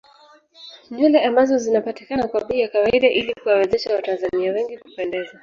Nywele ambazo zinapatikama kwa bei ya kawaida ili kuwawezesha watanzania wengi kupendeza